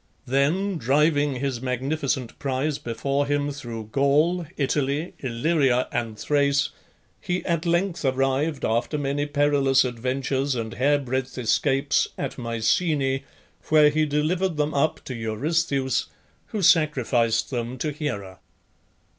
Then driving his magnificent prize before him through Gaul, Italy, Illyria, and Thrace, he at length arrived, after many perilous adventures and hair breadth escapes, at Mycenae, where he delivered them up to Eurystheus, who sacrificed them to Hera.